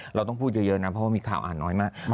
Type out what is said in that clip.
เราต้องพูดเยอะนะเพราะว่ามีข่าวอ่านน้อยมาก